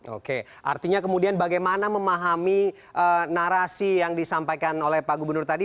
oke artinya kemudian bagaimana memahami narasi yang disampaikan oleh pak gubernur tadi